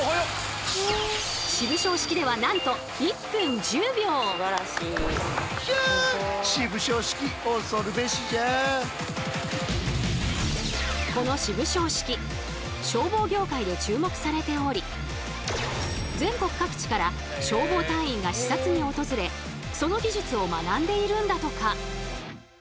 渋消式ではなんとこの渋消式消防業界で注目されており全国各地から消防隊員が視察に訪れその技術を学んでいるんだとか。